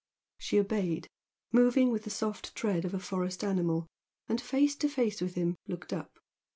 She obeyed, moving with the soft tread of a forest animal, and, face to face with him, looked up.